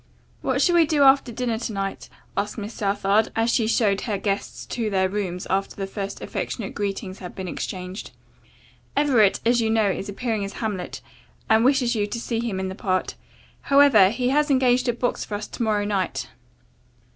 "What shall we do after dinner to night?" asked Miss Southard, as she showed her guests to their rooms after the first affectionate greetings had been exchanged. "Everett, as you know, is appearing as Hamlet, and wishes you to see him in the part. However, he has engaged a box for us for to morrow night.